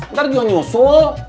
ntar dia nyusul